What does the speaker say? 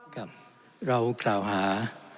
ครับเพราะว่า